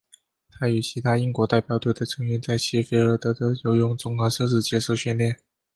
他与其他英国代表队的成员在谢菲尔德的的游泳综合设施接受训练。